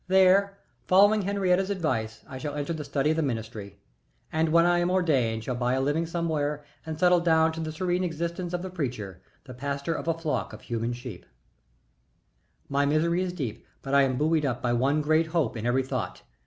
There, following Henriette's advice, I shall enter the study of the ministry, and when I am ordained shall buy a living somewhere and settle down to the serene existence of the preacher, the pastor of a flock of human sheep. [Illustration: "MY MISERY IS DEEP BUT I AM BUOYED UP BY ONE GREAT HOPE"] My misery is deep but I am buoyed up by one great hope in every thought.